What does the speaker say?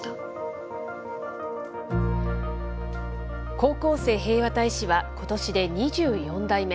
高校生平和大使はことしで２４代目。